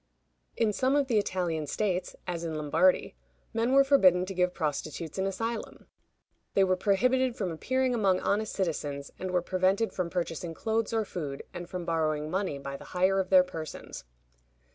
In some of the Italian states, as in Lombardy, men were forbidden to give prostitutes an asylum. They were prohibited from appearing among honest citizens, and were prevented from purchasing clothes or food, and from borrowing money by the hire of their persons.